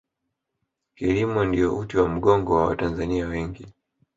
kilimo ndiyo uti wa mgongo wa watanzania wengi